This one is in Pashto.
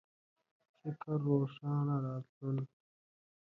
فکر روښانه راتلون